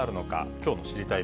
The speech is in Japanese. きょうの知りたいッ！